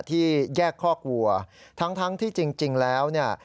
ที่แยกคอกวัวทั้งทั้งที่จริงแล้วเนี่ย